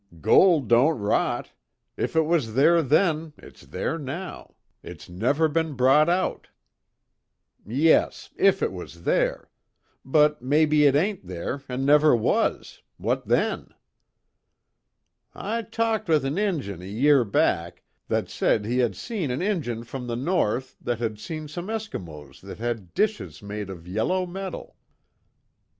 "Gold don't rot. If it was there then, it's there now. It's never been brought out." "Yes if it was there. But, maybe it ain't there an' never was what then?" "I talked with an Injun, a year back, that said he had seen an Injun from the North that had seen some Eskimos that had dishes made of yellow metal."